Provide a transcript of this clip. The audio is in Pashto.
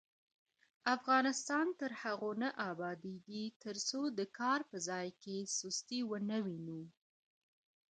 افغانستان تر هغو نه ابادیږي، ترڅو د کار په ځای کې سستي ونه وینو.